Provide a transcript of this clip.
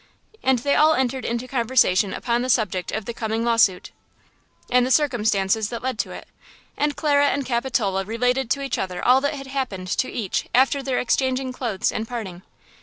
And they all entered into conversation upon the subject of the coming lawsuit, and the circumstances that led to it. And Clara and Capitola related to each other all that had happened to each after their exchanging clothes and parting.